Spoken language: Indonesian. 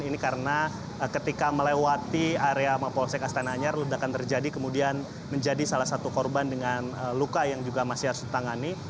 ini karena ketika melewati area mapolsek astana anyar ledakan terjadi kemudian menjadi salah satu korban dengan luka yang juga masih harus ditangani